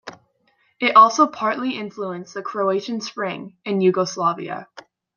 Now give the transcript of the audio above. It also partly influenced the Croatian Spring in Yugoslavia.